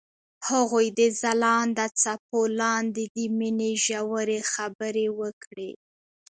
هغوی د ځلانده څپو لاندې د مینې ژورې خبرې وکړې.